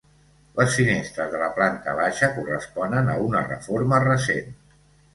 Les finestres de la planta baixa corresponen a una reforma recent.